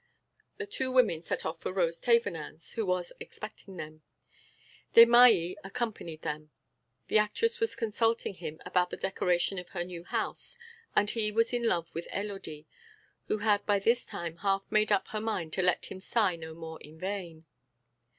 The two women set off for Rose Thévenin's, who was expecting them. Desmahis accompanied them; the actress was consulting him about the decoration of her new house and he was in love with Élodie, who had by this time half made up her mind to let him sigh no more in vain.